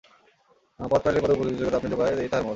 পদ পাইলেই পদের উপযুক্ত যোগ্যতা আপনি জোগায় এই তাহার মত।